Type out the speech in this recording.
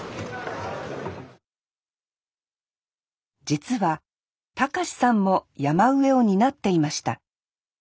実は隆志さんも曳山上を担っていました。